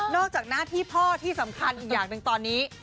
จากหน้าที่พ่อที่สำคัญอีกอย่างหนึ่งตอนนี้